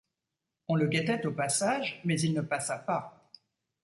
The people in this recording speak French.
On le guettait au passage, mais il ne passa pas.